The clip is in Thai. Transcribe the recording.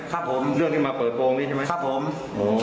ครับผมเรื่องที่มาเปิดโปรงนี้ใช่ไหมครับผม